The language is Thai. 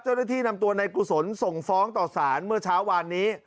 เจ้าหน้าที่นำตัวในกุศลส่งฟ้องต่อสารเมื่อเช้าวานนี้